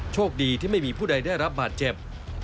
โชคดีที่ไม่มีผู้ใดได้รับบาดเจ็บ